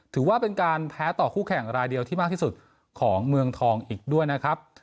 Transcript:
ถือว่าเป็นการแพ้ต่อคู่แข่งรายเดียวที่มากที่สุดของเมืองทองอีกด้วยนะครับ